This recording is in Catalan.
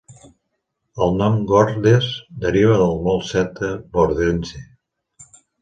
El nom "Gordes" deriva del mot celta "Vordense".